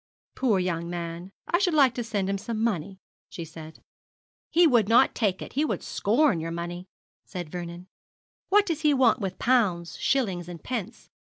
'Poor young man! I should like to send him some money,' she said. 'He would not take it; he would scorn your money,' said Vernon. 'What does he want with pounds, shillings, and pence?